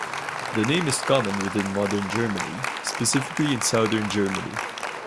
The name is common within modern Germany, specifically in southern Germany.